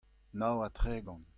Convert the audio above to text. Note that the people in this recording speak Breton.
nav ha tregont.